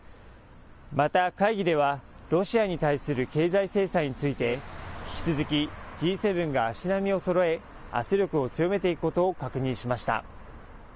また会議ではロシアに対する経済制裁について引き続きＧ７が足並みをそろえ圧力を強めていくことを確認しました。